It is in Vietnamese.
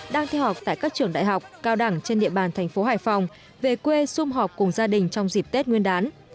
đang theo học tại các trường đại học cao đẳng trên địa bàn thành phố hải phòng về quê xung họp cùng gia đình trong dịp tết nguyên đán